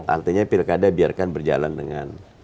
artinya pilkada biarkan berjalan dengan